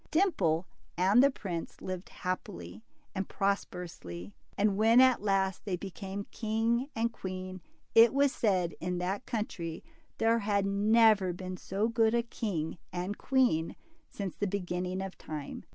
Dimple and the prince lived happily and pros perously, and when at last they became king and queen, it was said in that country, there had never DIMPLE. 63 been so good a king and queen since the beginning of time.